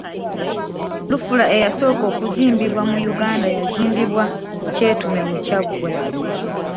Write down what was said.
Lufula eyasooka okuzimbibwa mu Uganda yazimbibwa Kyetume mu Kyaggwe.